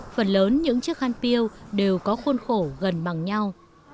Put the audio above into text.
phần lớn những chiếc khăn piêu đều có khuôn khổ gần bằng nhau